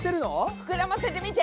ふくらませてみて！